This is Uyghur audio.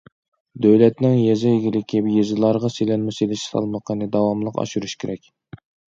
دۆلەتنىڭ يېزا ئىگىلىكى، يېزىلارغا سېلىنما سېلىش سالمىقىنى داۋاملىق ئاشۇرۇش كېرەك.